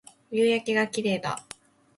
夕焼けが綺麗だ